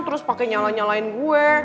terus pakai nyala nyalain gue